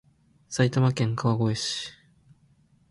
埼玉県川越市